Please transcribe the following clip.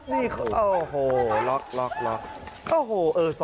นี่โอ้โห